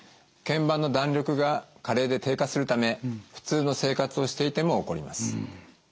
腱板の弾力が加齢で低下するため普通の生活をしていても起こります。